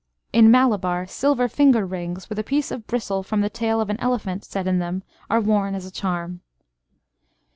In Malabar, silver finger rings with a piece of bristle from the tail of an elephant set in them, are worn as a charm.